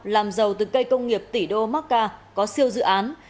làm giàu từ cây công nghiệp tỷ đô macca có siêu dự án